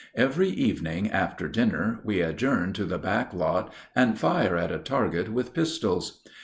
Every evening after dinner we adjourn to the back lot and fire at a target with pistols.